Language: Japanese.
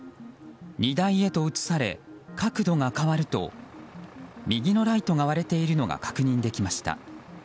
荷台へと移され角度が変わると右のライトが割れているのが確認できました。